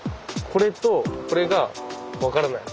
これとこれが分からない。